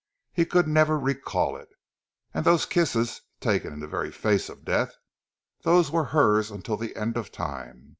He could never recall it; and those kisses, taken in the very face of death, those were hers until the end of time.